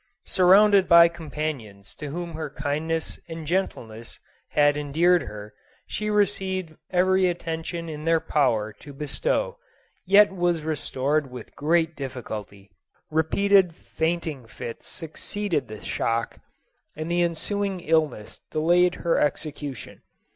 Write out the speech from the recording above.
Surrounded by companions to whom her kindness and gentleness had endeared her, she received every attention in their power to bestow, yet was re stored with great difficulty. Repeated fainting fits suc ceeded the shock, and the ensuing illness delayed her execution.